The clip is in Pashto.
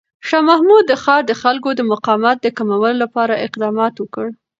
شاه محمود د ښار د خلکو د مقاومت د کمولو لپاره اقدامات وکړ.